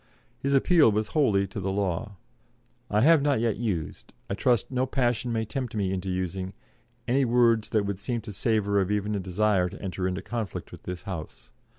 His appeal was wholly to the law. "I have not yet used I trust no passion may tempt me into using any words that would seem to savour of even a desire to enter into conflict with this House.